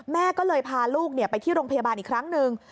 แม่ก็เลยพาลูกไปที่โรงพยาบาลอีกครั้งหนึ่ง